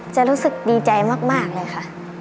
จะรู้สึกดีใจมากเลยค่ะ